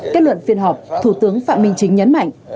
kết luận phiên họp thủ tướng phạm minh chính nhấn mạnh